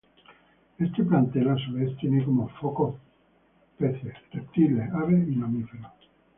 Este plantel, a su vez, tiene como foco peces, reptiles, aves y mamíferos.